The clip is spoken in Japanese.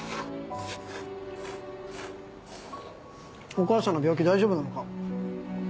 お母さんの病気大丈夫なのか？